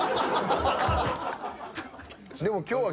でも今日は。